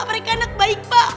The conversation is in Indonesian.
mereka anak baik pak